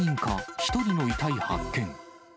１人の遺体発見。